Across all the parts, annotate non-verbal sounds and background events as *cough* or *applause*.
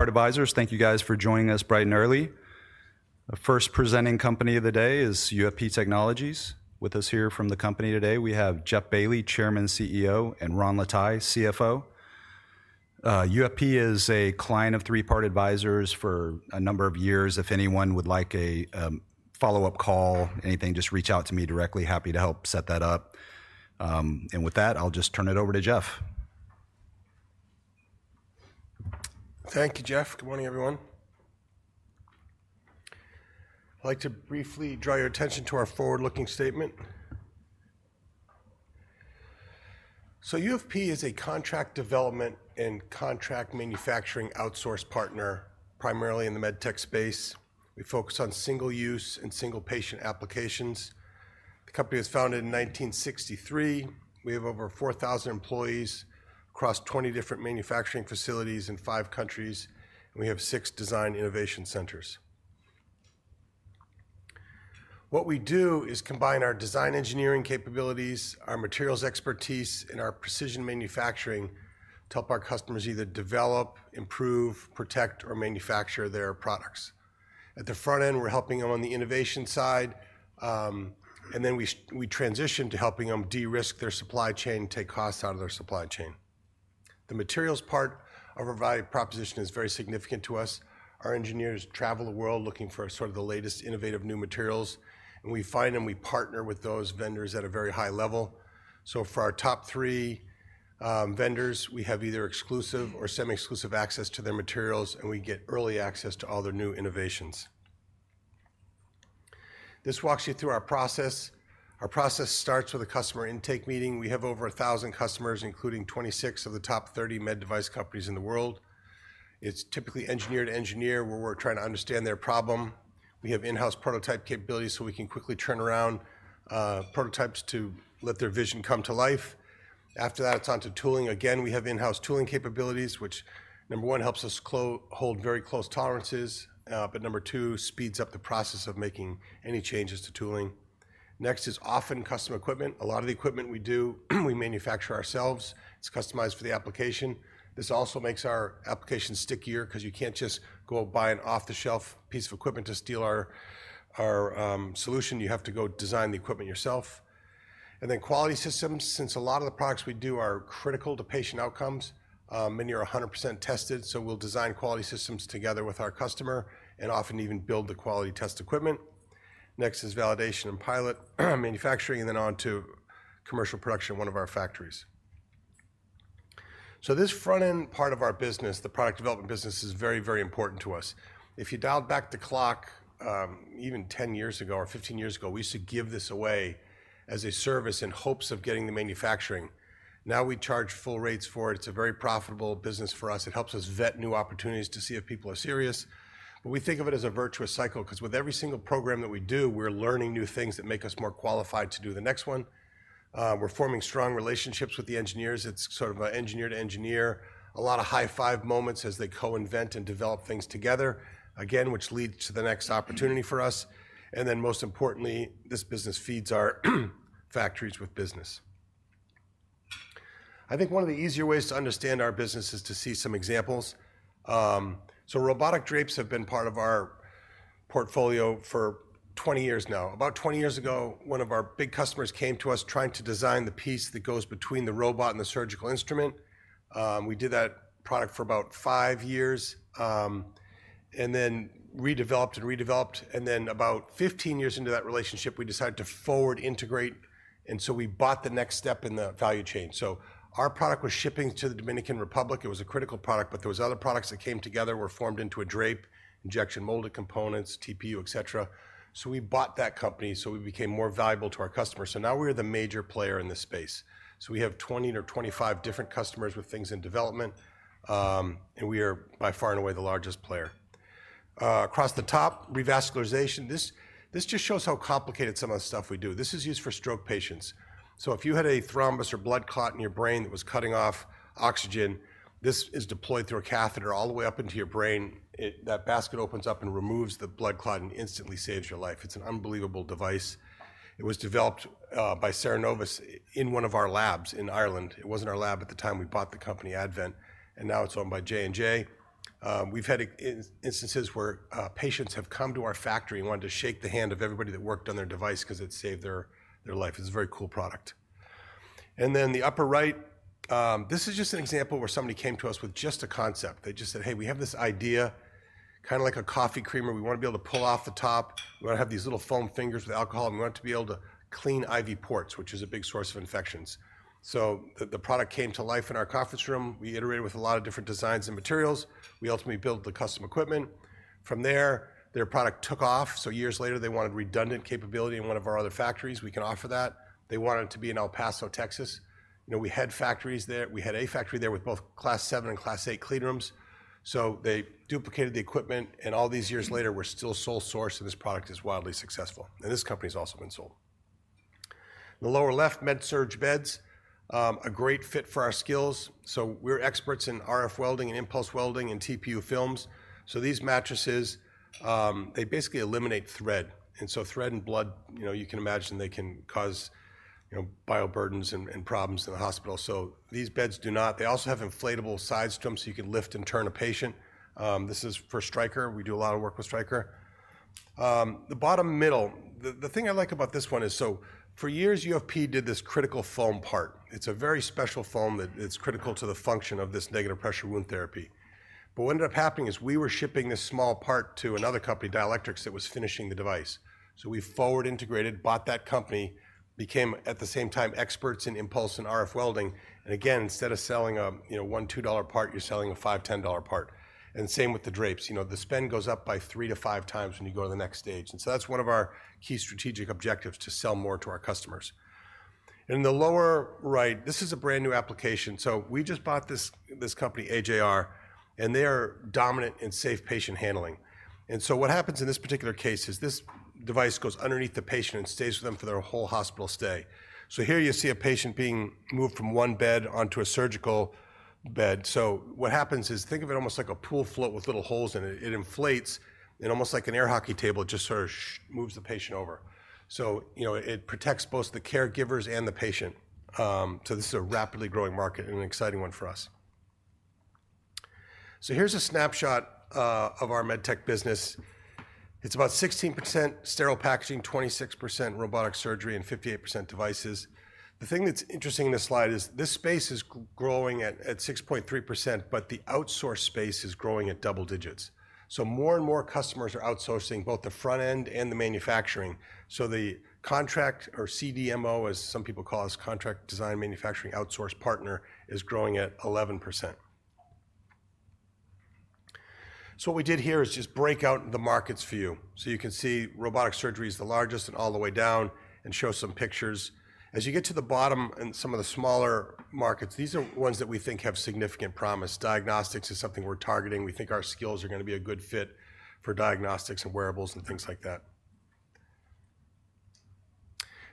Part Advisors, thank you guys for joining us bright and early. The first presenting company of the day is UFP Technologies. With us here from the company today, we have Jeff Bailly, Chairman CEO, and Ron Lataille, CFO. UFP is a client of Three Part Advisors for a number of years. If anyone would like a follow-up call, anything, just reach out to me directly. Happy to help set that up. With that, I'll just turn it over to Jeff. Thank you, Jeff. Good morning, everyone. I'd like to briefly draw your attention to our forward-looking statement. UFP is a contract development and contract manufacturing outsource partner, primarily in the medtech space. We focus on single-use and single-patient applications. The company was founded in 1963. We have over 4,000 employees across 20 different manufacturing facilities in five countries, and we have six design innovation centers. What we do is combine our design engineering capabilities, our materials expertise, and our precision manufacturing to help our customers either develop, improve, protect, or manufacture their products. At the front end, we're helping them on the innovation side, and then we transition to helping them de-risk their supply chain and take costs out of their supply chain. The materials part of our value proposition is very significant to us. Our engineers travel the world looking for sort of the latest innovative new materials, and we find and we partner with those vendors at a very high level. For our top three vendors, we have either exclusive or semi-exclusive access to their materials, and we get early access to all their new innovations. This walks you through our process. Our process starts with a customer intake meeting. We have over 1,000 customers, including 26 of the top 30 med device companies in the world. It's typically engineer to engineer where we're trying to understand their problem. We have in-house prototype capabilities so we can quickly turn around prototypes to let their vision come to life. After that, it's on to tooling. Again, we have in-house tooling capabilities, which, number one, helps us hold very close tolerances, but number two, speeds up the process of making any changes to tooling. Next is often custom equipment. A lot of the equipment we do, we manufacture ourselves. It's customized for the application. This also makes our application stickier because you can't just go buy an off-the-shelf piece of equipment to steal our solution. You have to go design the equipment yourself. Next, quality systems. Since a lot of the products we do are critical to patient outcomes, many are 100% tested, so we'll design quality systems together with our customer and often even build the quality test equipment. Next is validation and pilot manufacturing, and then on to commercial production at one of our factories. This front-end part of our business, the product development business, is very, very important to us. If you dialed back the clock even 10 years ago or 15 years ago, we used to give this away as a service in hopes of getting the manufacturing. Now we charge full rates for it. It's a very profitable business for us. It helps us vet new opportunities to see if people are serious. We think of it as a virtuous cycle because with every single program that we do, we're learning new things that make us more qualified to do the next one. We're forming strong relationships with the engineers. It's sort of an engineer to engineer, a lot of high-five moments as they co-invent and develop things together, again, which leads to the next opportunity for us. Most importantly, this business feeds our factories with business. I think one of the easier ways to understand our business is to see some examples. Robotic drapes have been part of our portfolio for 20 years now. About 20 years ago, one of our big customers came to us trying to design the piece that goes between the robot and the surgical instrument. We did that product for about five years and then redeveloped and redeveloped. Then about 15 years into that relationship, we decided to forward integrate, and we bought the next step in the value chain. Our product was shipping to the Dominican Republic. It was a critical product, but there were other products that came together, were formed into a drape, injection molded components, TPU, etc. We bought that company so we became more valuable to our customers. Now we are the major player in this space. We have 20 or 25 different customers with things in development, and we are by far and away the largest player. Across the top, revascularization. This just shows how complicated some of the stuff we do. This is used for stroke patients. If you had a thrombus or blood clot in your brain that was cutting off oxygen, this is deployed through a catheter all the way up into your brain. That basket opens up and removes the blood clot and instantly saves your life. It's an unbelievable device. It was developed by Sarah Novice in one of our labs in Ireland. It was not our lab at the time. We bought the company, Advent, and now it's owned by J&J. We've had instances where patients have come to our factory and wanted to shake the hand of everybody that worked on their device because it saved their life. It's a very cool product. In the upper right, this is just an example where somebody came to us with just a concept. They just said, "Hey, we have this idea, kind of like a coffee creamer. We want to be able to pull off the top. We want to have these little foam fingers with alcohol, and we want to be able to clean IV ports, which is a big source of infections." The product came to life in our conference room. We iterated with a lot of different designs and materials. We ultimately built the custom equipment. From there, their product took off. Years later, they wanted redundant capability in one of our other factories. We can offer that. They wanted it to be in El Paso, Texas. We had factories there. We had a factory there with both Class seven and Class eight cleanrooms. They duplicated the equipment, and all these years later, we're still sole source, and this product is wildly successful. This company has also been sold. In the lower left, Med-Surge beds, a great fit for our skills. We're experts in RF welding and impulse welding and TPU films. These mattresses basically eliminate thread. Thread and blood, you can imagine, can cause bioburdens and problems in the hospital. These beds do not. They also have inflatable side stumps so you can lift and turn a patient. This is for Stryker. We do a lot of work with Stryker. The bottom middle, the thing I like about this one is, for years, UFP did this critical foam part. It's a very special foam that is critical to the function of this negative pressure wound therapy. What ended up happening is we were shipping this small part to another company, Dielectrics, that was finishing the device. We forward integrated, bought that company, became at the same time experts in impulse and RF welding. Again, instead of selling a $1, $2 part, you're selling a $5, $10 part. Same with the drapes. The spend goes up by three to five times when you go to the next stage. That's one of our key strategic objectives, to sell more to our customers. In the lower right, this is a brand new application. We just bought this company, AJR, and they are dominant in safe patient handling. What happens in this particular case is this device goes underneath the patient and stays with them for their whole hospital stay. Here you see a patient being moved from one bed onto a surgical bed. What happens is think of it almost like a pool float with little holes in it. It inflates and almost like an air hockey table, it just sort of moves the patient over. It protects both the caregivers and the patient. This is a rapidly growing market and an exciting one for us. Here's a snapshot of our medtech business. It's about 16% sterile packaging, 26% robotic surgery, and 58% devices. The thing that's interesting in this slide is this space is growing at 6.3%, but the outsource space is growing at double digits. More and more customers are outsourcing both the front end and the manufacturing. The contract or CDMO, as some people call us, contract design manufacturing outsource partner, is growing at 11%. What we did here is just break out the markets for you. You can see robotic surgery is the largest and all the way down and show some pictures. As you get to the bottom and some of the smaller markets, these are ones that we think have significant promise. Diagnostics is something we're targeting. We think our skills are going to be a good fit for diagnostics and wearables and things like that.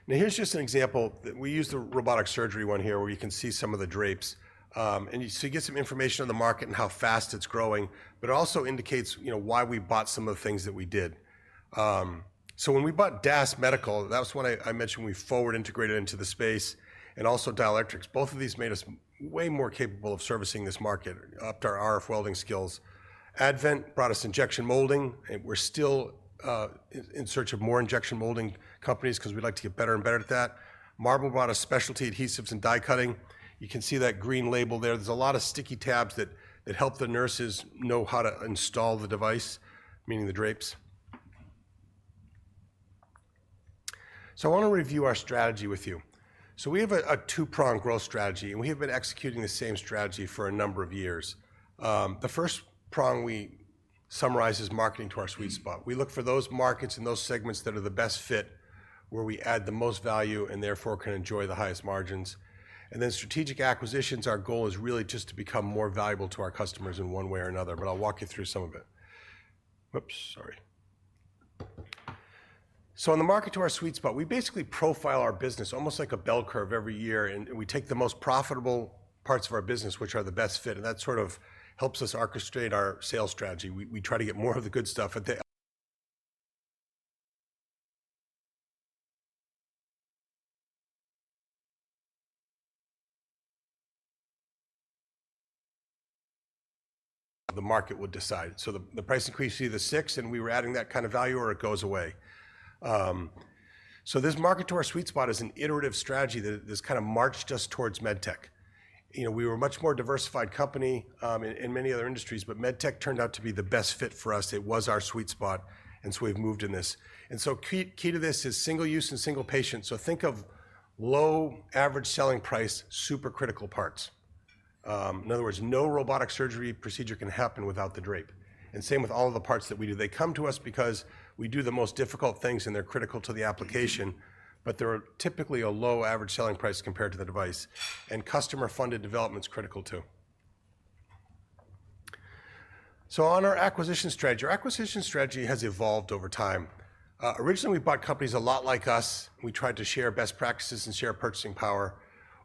Now, here's just an example. We used the robotic surgery one here where you can see some of the drapes. You get some information on the market and how fast it's growing, but it also indicates why we bought some of the things that we did. When we bought DAS Medical, that was one I mentioned we forward integrated into the space, and also Dielectrics. Both of these made us way more capable of servicing this market, upped our RF welding skills. Advent brought us injection molding. We're still in search of more injection molding companies because we'd like to get better and better at that. Marble brought us specialty adhesives and die cutting. You can see that green label there. There's a lot of sticky tabs that help the nurses know how to install the device, meaning the drapes. I want to review our strategy with you. We have a two-prong growth strategy, and we have been executing the same strategy for a number of years. The first prong we summarize is marketing to our sweet spot. We look for those markets and those segments that are the best fit, where we add the most value and therefore can enjoy the highest margins. Strategic acquisitions, our goal is really just to become more valuable to our customers in one way or another, but I'll walk you through some of it. Whoops, sorry. On the market to our sweet spot, we basically profile our business almost like a bell curve every year, and we take the most profitable parts of our business, which are the best fit, and that sort of helps us orchestrate our sales strategy. We try to get more of the good stuff. The market would decide. The price increase to the six, and we were adding that kind of value or it goes away. This market to our sweet spot is an iterative strategy that has kind of marched us towards medtech. We were a much more diversified company in many other industries, but medtech turned out to be the best fit for us. It was our sweet spot, and so we've moved in this. Key to this is single use and single patient. Think of low average selling price, super critical parts. In other words, no robotic surgery procedure can happen without the drape. Same with all of the parts that we do. They come to us because we do the most difficult things, and they're critical to the application, but they're typically a low average selling price compared to the device. Customer-Funded Development's critical too. On our acquisition strategy, our acquisition strategy has evolved over time. Originally, we bought companies a lot like us. We tried to share best practices and share purchasing power.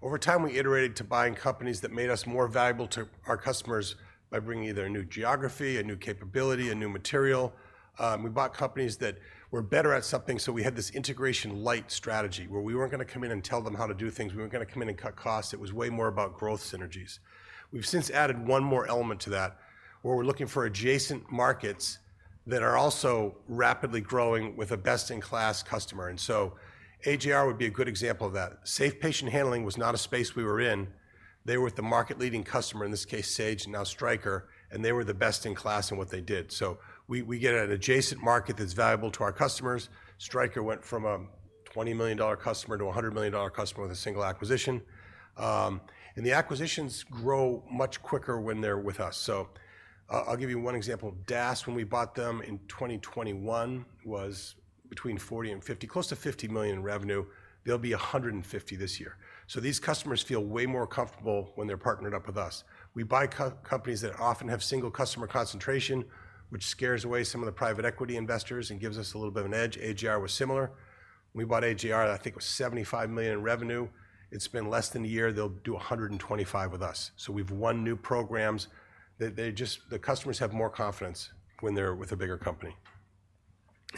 Over time, we iterated to buying companies that made us more valuable to our customers by bringing either a new geography, a new capability, a new material. We bought companies that were better at something, so we had this integration light strategy where we were not going to come in and tell them how to do things. We were not going to come in and cut costs. It was way more about growth synergies. We have since added one more element to that where we are looking for adjacent markets that are also rapidly growing with a best-in-class customer. AJR would be a good example of that. Safe patient handling was not a space we were in. They were with the market-leading customer, in this case, Sage, and now Stryker, and they were the best in class in what they did. We get an adjacent market that is valuable to our customers. Stryker went from a $20 million customer to a $100 million customer with a single acquisition. The acquisitions grow much quicker when they are with us. I'll give you one example. DAS, when we bought them in 2021, was between $40 million and $50 million, close to $50 million in revenue. They'll be $150 million this year. These customers feel way more comfortable when they're partnered up with us. We buy companies that often have single customer concentration, which scares away some of the private equity investors and gives us a little bit of an edge. AJR was similar. We bought AJR, I think it was $75 million in revenue. It's been less than a year. They'll do $125 million with us. We've won new programs. The customers have more confidence when they're with a bigger company.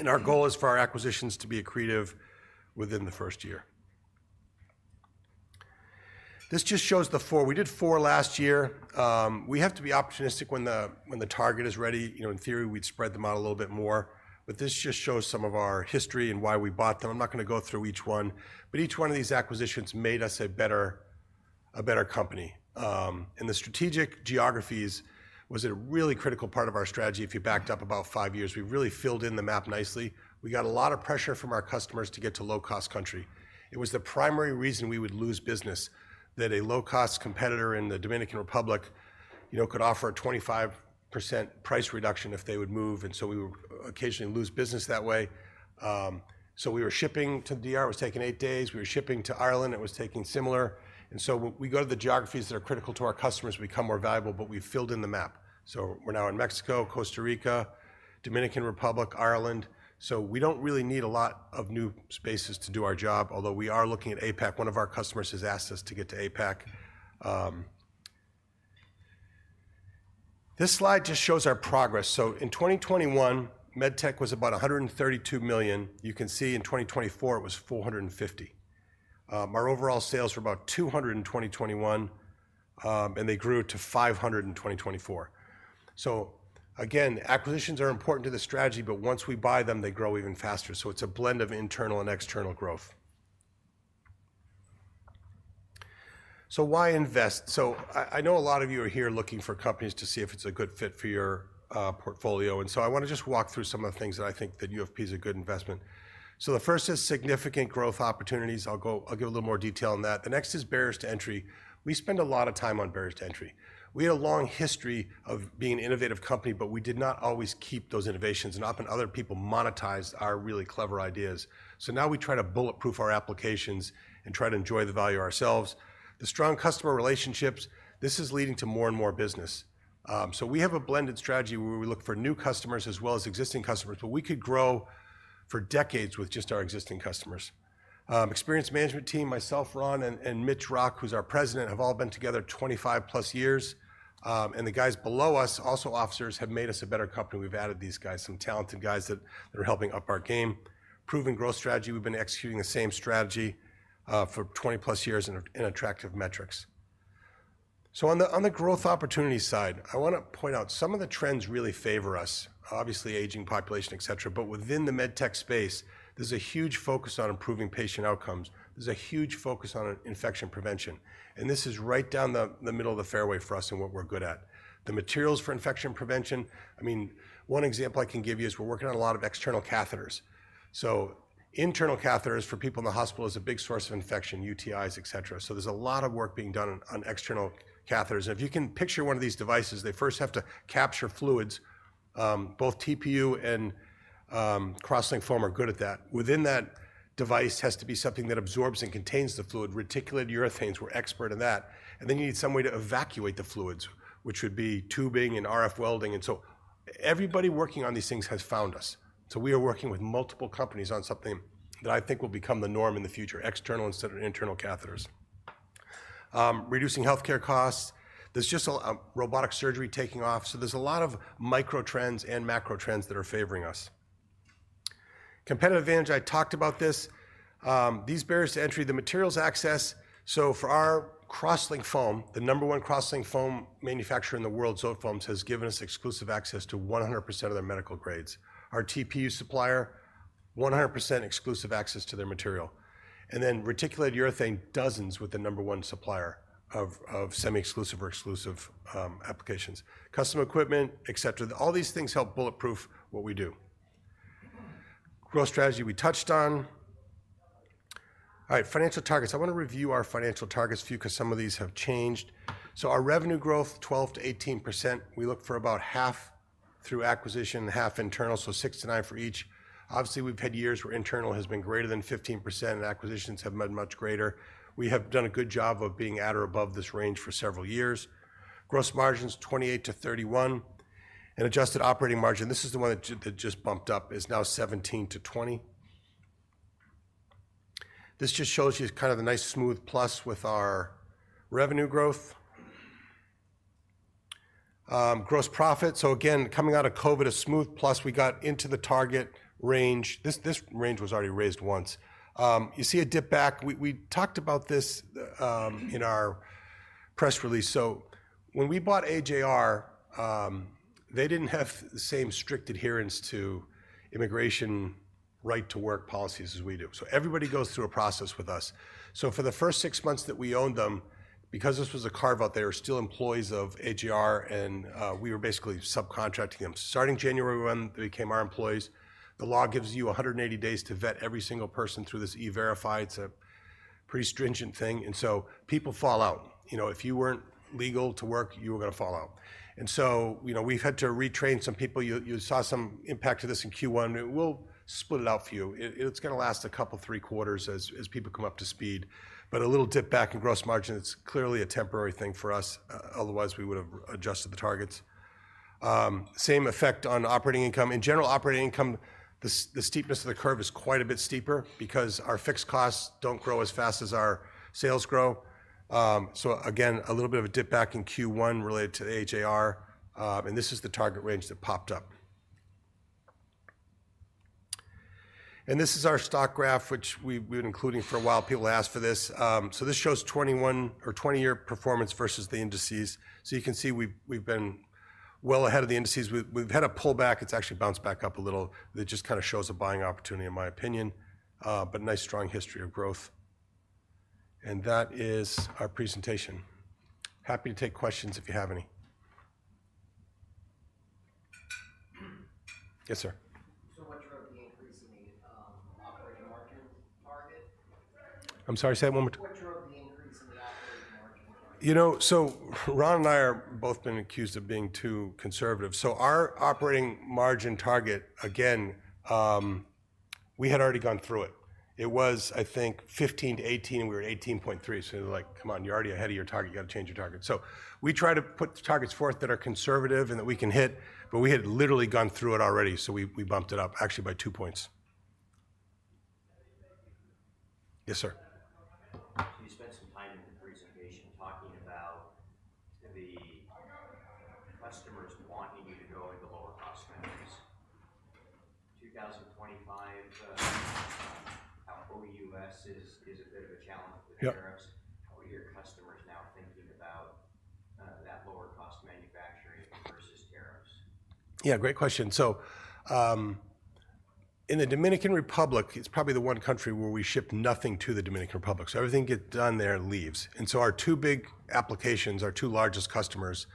Our goal is for our acquisitions to be accretive within the first year. This just shows the four. We did four last year. We have to be opportunistic when the target is ready. In theory, we'd spread them out a little bit more, but this just shows some of our history and why we bought them. I'm not going to go through each one, but each one of these acquisitions made us a better company. The strategic geographies was a really critical part of our strategy if you backed up about five years. We really filled in the map nicely. We got a lot of pressure from our customers to get to low-cost country. It was the primary reason we would lose business that a low-cost competitor in the Dominican Republic could offer a 25% price reduction if they would move, and we would occasionally lose business that way. We were shipping to DR. It was taking eight days. We were shipping to Ireland. It was taking similar. We go to the geographies that are critical to our customers. We become more valuable, but we filled in the map. We are now in Mexico, Costa Rica, Dominican Republic, Ireland. We do not really need a lot of new spaces to do our job, although we are looking at APAC. One of our customers has asked us to get to APAC. This slide just shows our progress. In 2021, medtech was about $132 million. You can see in 2024, it was $450 million. Our overall sales were about $200 million in 2021, and they grew to $500 million in 2024. Acquisitions are important to the strategy, but once we buy them, they grow even faster. It is a blend of internal and external growth. Why invest? I know a lot of you are here looking for companies to see if it's a good fit for your portfolio. I want to just walk through some of the things that I think that UFP is a good investment. The first is significant growth opportunities. I'll give a little more detail on that. The next is barriers to entry. We spend a lot of time on barriers to entry. We had a long history of being an innovative company, but we did not always keep those innovations. Often, other people monetized our really clever ideas. Now we try to bulletproof our applications and try to enjoy the value ourselves. The strong customer relationships, this is leading to more and more business. We have a blended strategy where we look for new customers as well as existing customers, but we could grow for decades with just our existing customers. Experienced management team, myself, Ron, and Mitch Rock, who's our President, have all been together 25-plus years. The guys below us, also officers, have made us a better company. We've added these guys, some talented guys that are helping up our game. Proven growth strategy. We've been executing the same strategy for 20-plus years and attractive metrics. On the growth opportunity side, I want to point out some of the trends really favor us, obviously aging population, etc. Within the medtech space, there's a huge focus on improving patient outcomes. There's a huge focus on infection prevention. This is right down the middle of the fairway for us and what we're good at. The materials for infection prevention, I mean, one example I can give you is we're working on a lot of external catheters. Internal catheters for people in the hospital is a big source of infection, UTIs, etc. There is a lot of work being done on external catheters. If you can picture one of these devices, they first have to capture fluids. Both TPU and cross-linked foam are good at that. Within that device has to be something that absorbs and contains the fluid. Reticulate urethanes, we're expert in that. You need some way to evacuate the fluids, which would be tubing and RF welding. Everybody working on these things has found us. We are working with multiple companies on something that I think will become the norm in the future, external instead of internal catheters. Reducing healthcare costs. There's just robotic surgery taking off. So there's a lot of Microtrends and Macrotrends that are favoring us. Competitive advantage. I talked about this. These barriers to entry, the materials access. So for our Cross-Linked Foam, the number one Cross-Linked Foam manufacturer in the world, Zotefoams, has given us exclusive access to 100% of their medical grades. Our TPU supplier, 100% exclusive access to their material. And then reticulate urethane, dozens with the number one supplier of semi-exclusive or exclusive applications. Custom equipment, etc. All these things help bulletproof what we do. Growth strategy we touched on. All right, financial targets. I want to review our financial targets for you because some of these have changed. So our revenue growth, 12%-18%. We look for about half through acquisition, half internal, so 6%-9% for each. Obviously, we've had years where internal has been greater than 15% and acquisitions have been much greater. We have done a good job of being at or above this range for several years. Gross margins, 28%-31%. And adjusted operating margin, this is the one that just bumped up, is now 17%-20%. This just shows you kind of the nice smooth plus with our revenue growth. Gross profit. Again, coming out of COVID, a smooth plus. We got into the target range. This range was already raised once. You see a dip back. We talked about this in our press release. When we bought AJR, they did not have the same strict adherence to immigration right to work policies as we do. Everybody goes through a process with us. For the first six months that we owned them, because this was a carve-out, they were still employees of AJR, and we were basically subcontracting them. Starting January 1, they became our employees. The law gives you 180 days to vet every single person through this e-Verify. It is a pretty stringent thing. People fall out. If you were not legal to work, you were going to fall out. We have had to retrain some people. You saw some impact of this in Q1. We will split it out for you. It is going to last a couple of three quarters as people come up to speed. A little dip back in gross margin, it is clearly a temporary thing for us. Otherwise, we would have adjusted the targets. Same effect on operating income. In general, operating income, the steepness of the curve is quite a bit steeper because our fixed costs don't grow as fast as our sales grow. Again, a little bit of a dip back in Q1 related to AJR. This is the target range that popped up. This is our stock graph, which we've been including for a while. People ask for this. This shows 21 or 20-year performance versus the indices. You can see we've been well ahead of the indices. We've had a pullback. It's actually bounced back up a little. It just kind of shows a buying opportunity, in my opinion, but nice strong history of growth. That is our presentation. Happy to take questions if you have any. Yes, sir. What drove the increase in the operating margin target? I'm sorry, say it one more time. *audio distortion* What drove the increase in the operating margin target? Ron and I have both been accused of being too conservative. Our operating margin target, again, we had already gone through it. It was, I think, 15-18%, and we were at 18.3%. They are like, "Come on, you are already ahead of your target. You got to change your target." We try to put targets forth that are conservative and that we can hit, but we had literally gone through it already. We bumped it up actually by two percentage points. Yes sir. You spent some time in the presentation talking about the customers wanting you to go into lower-cost manufacturers. 2025, how OUS is a bit of a challenge with tariffs. How are your customers now thinking about that lower-cost manufacturing versus tariffs? Yeah, great question. In the Dominican Republic, it's probably the one country where we ship nothing to the Dominican Republic. Everything gets done there and leaves. Our two big applications, our two largest customers,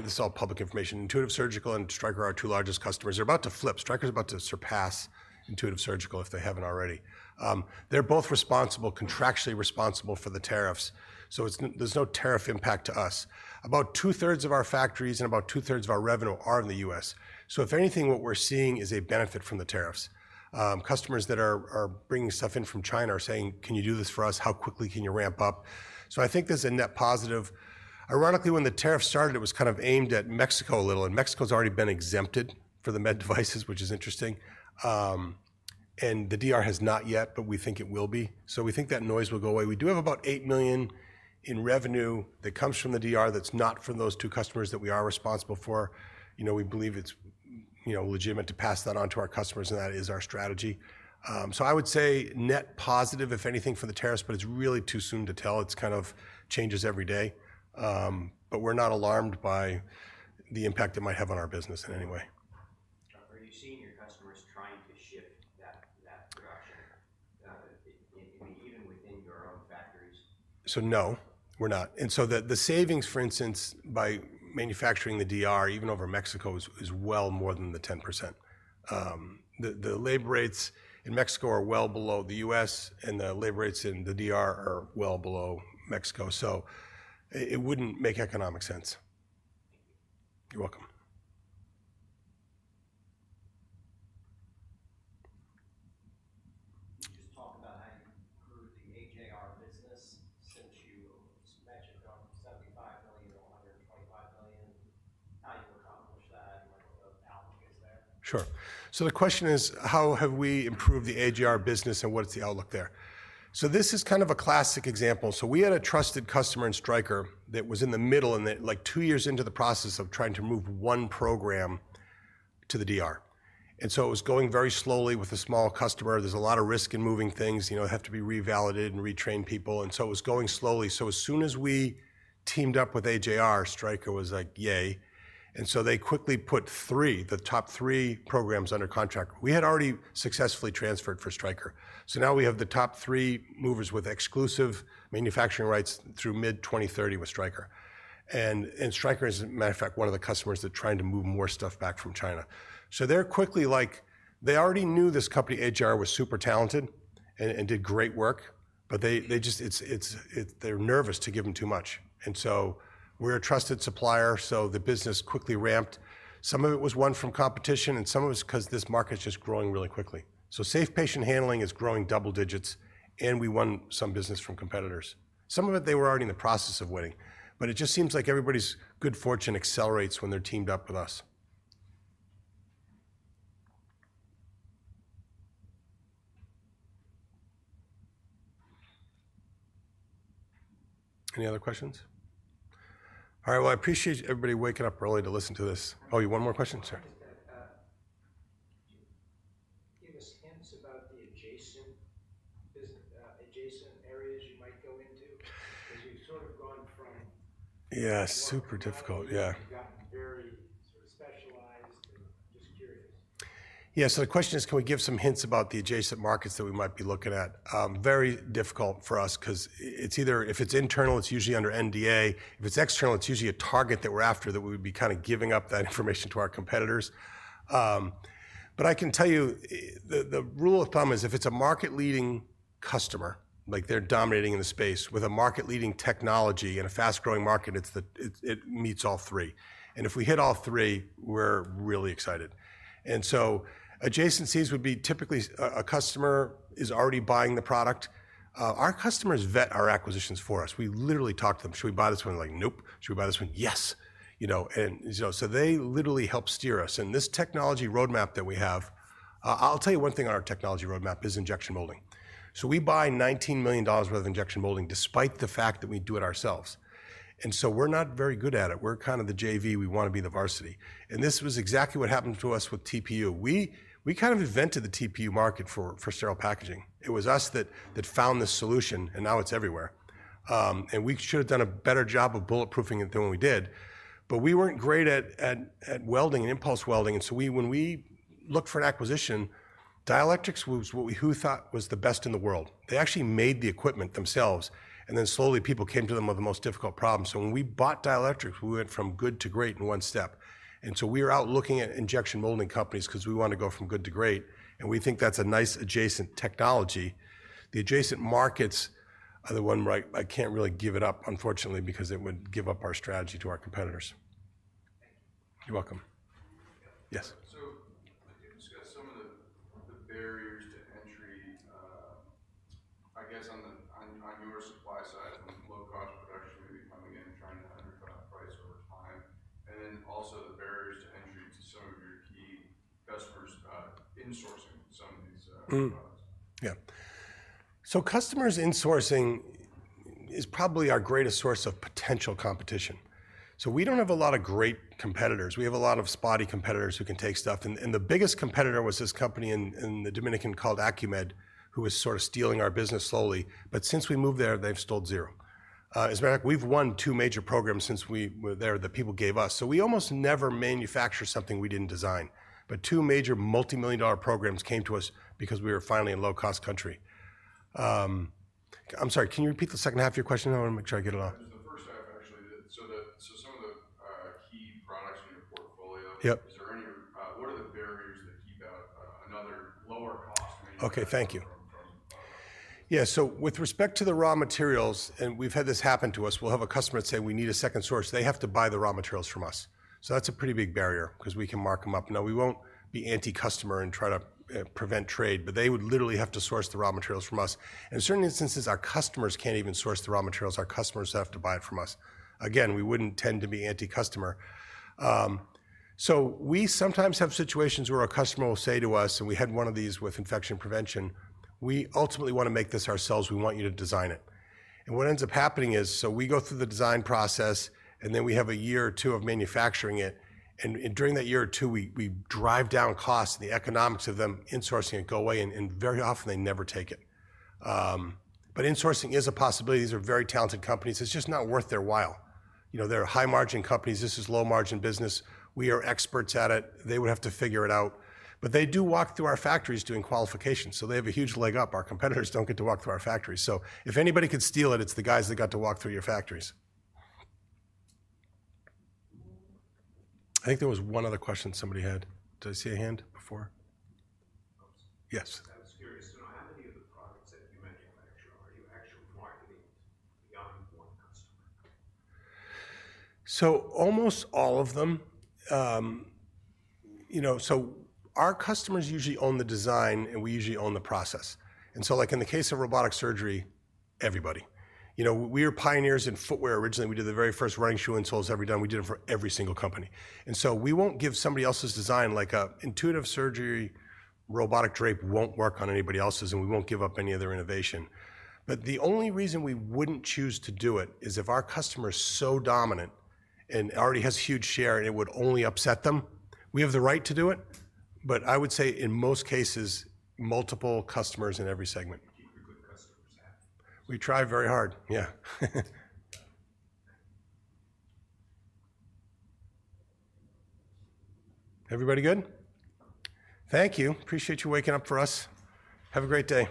this is all public information, Intuitive Surgical and Stryker are our two largest customers. They're about to flip. Stryker is about to surpass Intuitive Surgical if they haven't already. They're both contractually responsible for the tariffs, so there's no tariff impact to us. About two-thirds of our factories and about two-thirds of our revenue are in the U.S. If anything, what we're seeing is a benefit from the tariffs. Customers that are bringing stuff in from China are saying, "Can you do this for us? How quickly can you ramp up?" I think there's a net positive. Ironically, when the tariff started, it was kind of aimed at Mexico a little. Mexico has already been exempted for the med devices, which is interesting. The DR has not yet, but we think it will be. We think that noise will go away. We do have about $8 million in revenue that comes from the DR that's not from those two customers that we are responsible for. We believe it's legitimate to pass that on to our customers, and that is our strategy. I would say net positive, if anything, for the tariffs, but it's really too soon to tell. It kind of changes every day. We're not alarmed by the impact it might have on our business in any way. Are you seeing your customers trying to shift that production even within your own factories? No, we're not. The savings, for instance, by manufacturing in the DR, even over Mexico, is well more than the 10%. The labor rates in Mexico are well below the U.S., and the labor rates in the DR are well below Mexico. It would not make economic sense. You're welcome. Just talk about how you improved the AJR business since you met your goal from $75 million to $125 million. How you accomplished that and what the outlook is there. Sure. The question is, how have we improved the AJR business and what's the outlook there? This is kind of a classic example. We had a trusted customer in Stryker that was in the middle and like two years into the process of trying to move one program to the DR. It was going very slowly with a small customer. There's a lot of risk in moving things. They have to be revalidated and retrain people. It was going slowly. As soon as we teamed up with AJR, Stryker was like, "Yay." They quickly put the top three programs under contract. We had already successfully transferred for Stryker. Now we have the top three movers with exclusive manufacturing rights through mid-2030 with Stryker. Stryker is, as a matter of fact, one of the customers that's trying to move more stuff back from China. They already knew this company, AJR, was super talented and did great work, but they're nervous to give them too much. We are a trusted supplier, so the business quickly ramped. Some of it was won from competition, and some of it was because this market's just growing really quickly. Safe patient handling is growing double digits, and we won some business from competitors. Some of it, they were already in the process of winning. It just seems like everybody's good fortune accelerates when they're teamed up with us. Any other questions? All right. I appreciate everybody waking up early to listen to this. Oh, you want more questions, sir? Give us hints about the adjacent areas you might go into because we've sort of gone from, yeah, super difficult. Yeah. You've gotten very sort of specialized and just curious. Yeah. The question is, can we give some hints about the adjacent markets that we might be looking at? Very difficult for us because if it's internal, it's usually under NDA. If it's external, it's usually a target that we're after that we would be kind of giving up that information to our competitors. I can tell you the rule of thumb is if it's a market-leading customer, like they're dominating in the space with a market-leading technology in a fast-growing market, it meets all three. If we hit all three, we're really excited. Adjacencies would be typically a customer is already buying the product. Our customers vet our acquisitions for us. We literally talk to them, "Should we buy this one?" They're like, "Nope." "Should we buy this one?" "Yes." They literally help steer us. This technology roadmap that we have, I'll tell you one thing on our technology roadmap is injection molding. We buy $19 million worth of injection molding despite the fact that we do it ourselves. We're not very good at it. We're kind of the JV. We want to be the varsity. This was exactly what happened to us with TPU. We kind of invented the TPU market for sterile packaging. It was us that found this solution, and now it's everywhere. We should have done a better job of bulletproofing it than we did. We were not great at welding and impulse welding. When we looked for an acquisition, Dielectrics was what we thought was the best in the world. They actually made the equipment themselves, and then slowly people came to them with the most difficult problem. When we bought Dielectrics, we went from good to great in one step. We were out looking at injection molding companies because we wanted to go from good to great. We think that's a nice adjacent technology. The adjacent markets are the one I can't really give it up, unfortunately, because it would give up our strategy to our competitors. You're welcome. Yes. *audio distortion* You discussed some of the barriers to entry, I guess, on your supply side from low-cost production maybe coming in, trying to undercut price over time. And then also the barriers to entry to some of your key customers' insourcing some of these products. Yeah. Customers' insourcing is probably our greatest source of potential competition. We don't have a lot of great competitors. We have a lot of spotty competitors who can take stuff. The biggest competitor was this company in the Dominican called Acumed, who was sort of stealing our business slowly. Since we moved there, they've stole zero. As a matter of fact, we've won two major programs since we were there that people gave us. We almost never manufacture something we did not design. Two major multi-million-dollar programs came to us because we were finally a low-cost country. I'm sorry, can you repeat the second half of your question? I want to make sure I get it all. *audio distortion* The first half, actually. Some of the key products in your portfolio, is there any, what are the barriers that keep out another lower-cost manufacturer? Thank you. With respect to the raw materials, and we have had this happen to us, we will have a customer that says, "We need a second source." They have to buy the raw materials from us. That is a pretty big barrier because we can mark them up. Now, we will not be anti-customer and try to prevent trade, but they would literally have to source the raw materials from us. In certain instances, our customers can't even source the raw materials. Our customers have to buy it from us. Again, we wouldn't tend to be anti-customer. We sometimes have situations where a customer will say to us, and we had one of these with infection prevention, "We ultimately want to make this ourselves. We want you to design it." What ends up happening is we go through the design process, and then we have a year or two of manufacturing it. During that year or two, we drive down costs. The economics of them insourcing it go away, and very often they never take it. Insourcing is a possibility. These are very talented companies. It's just not worth their while. They're high-margin companies. This is low-margin business. We are experts at it. They would have to figure it out. They do walk through our factories doing qualifications. They have a huge leg up. Our competitors do not get to walk through our factories. If anybody could steal it, it is the guys that got to walk through your factories. I think there was one other question somebody had. Did I see a hand before? Yes. I was curious. How many of the products that you manufacture are you actually marketing beyond one customer? Almost all of them. Our customers usually own the design, and we usually own the process. In the case of robotic surgery, everybody. We were pioneers in footwear originally. We did the very first running shoe insoles every time. We did it for every single company. We will not give somebody else's design. Intuitive Surgical robotic drape will not work on anybody else's, and we will not give up any of their innovation. The only reason we would not choose to do it is if our customer is so dominant and already has a huge share, it would only upset them. We have the right to do it, but I would say in most cases, multiple customers in every segment. Keep your good customers happy. We try very hard. Yeah. Everybody good? Thank you. Appreciate you waking up for us. Have a great day.